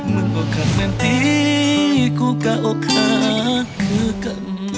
มึงอกหักแม่นติกูกะอกอา